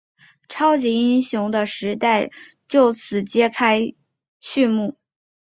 超级英雄的时代就此揭开序幕。